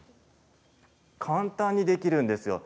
簡単にできるんですよ。